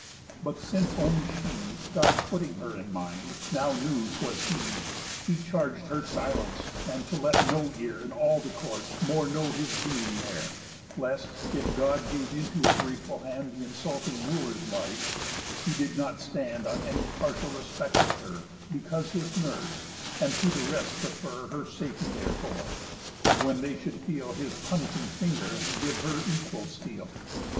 But, since only she, God putting her in mind, now knew 'twas he, He charg'd her silence, and to let no ear In all the court more know his being there, Lest, if God gave into his wreakful hand Th' insulting Wooers' lives, he did not stand On any partial respect with her, Because his nurse, and to the rest prefer Her safety therefore, but, when they should feel His punishing finger, give her equal steel.